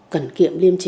cần kiệm liêm trí